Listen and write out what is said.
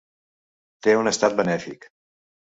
Té un estat benèfic.